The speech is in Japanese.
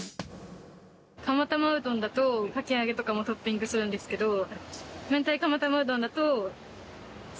釜玉うどんだとかき揚げとかもトッピングするんですけど明太釜玉うどんだとそれだけで結構満足な感じで。